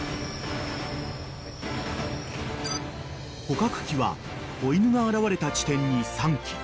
［捕獲器は子犬が現れた地点に３基］